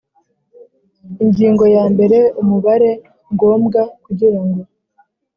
Ingingo ya mbere Umubare ngombwa kugirango